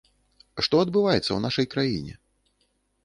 Што адбываецца ў нашай краіне?